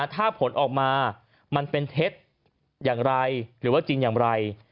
ถ้าผลออกมามันเป็นเท็จอย่างไรหรือว่าจริงอย่างไร